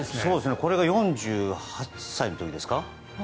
これが４８歳の時ですか。